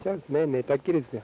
寝たっきりですよ。